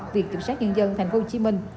việc kiểm soát nhân dân thành phố hồ chí minh